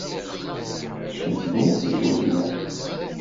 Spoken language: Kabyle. Tcennu Julia.